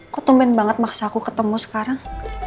kok tumben banget maksaku ketemu sekarang